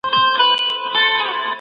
موږ باید د شریعت احکامو ته غاړه کېږدو.